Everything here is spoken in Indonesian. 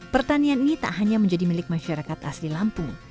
pertanian ini tak hanya menjadi milik masyarakat asli lampung